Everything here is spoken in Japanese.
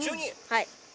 はい。